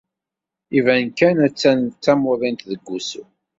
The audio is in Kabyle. Iban kan attan d tamuḍint deg wusu.